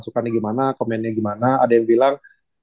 komentannya gimana ada yang bilang